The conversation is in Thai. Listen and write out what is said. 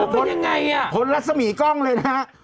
แล้วเป็นยังไงอ่ะพนลักษณีย์กล้องเลยนะครับ